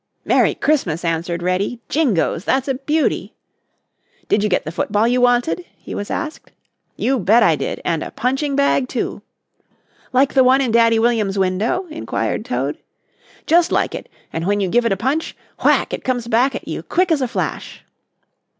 "Merry Christmas," answered Reddy. "Jingoes, that's a beauty!" "Did you get the football you wanted?" he was asked. "You bet I did, and a punching bag, too." "Like the one in Daddy Williams' window?" inquired Toad. "Just like it, and when you give it a punch, whack! it comes back at you, quick as a flash."